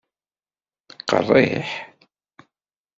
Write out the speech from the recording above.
Qerriḥ?